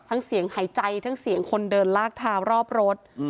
เสียงหายใจทั้งเสียงคนเดินลากเท้ารอบรถ